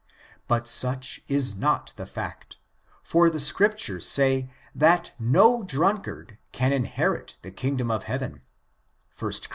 But such is not the fact; for the Scriptures say that no drunkard can inherit the kingdom of heaveni 1 Cor.